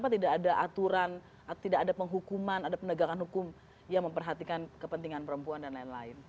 tidak ada aturan tidak ada penghukuman ada penegakan hukum yang memperhatikan kepentingan perempuan dan lain lain